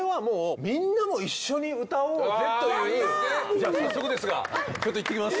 じゃあ早速ですがちょっと行ってきます！